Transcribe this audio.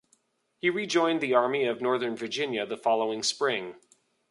He rejoined the Army of Northern Virginia the following Spring.